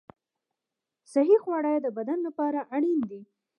صحي خواړه د بدن لپاره اړین دي.